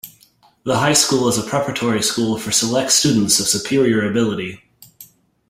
The high school is a preparatory school for select students of superior ability.